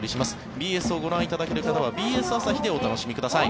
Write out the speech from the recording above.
ＢＳをご覧いただける方はＢＳ朝日でお楽しみください。